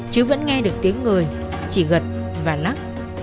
chứ vẫn nghe được tiếng người chỉ gật và lắc